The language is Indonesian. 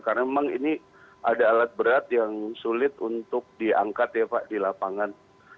karena memang ini ada alat berat yang sulit untuk diangkat ya pak di lapangan